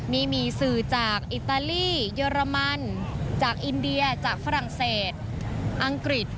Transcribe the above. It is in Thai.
นี่มีสื่อจากอิตาลีเยอรมันจากอินเดียจากฝรั่งเศสอังกฤษ